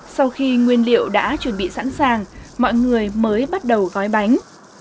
sau khi nguyên liệu đã chuẩn bị sẵn sàng mọi người mới bắt đầu gói bánh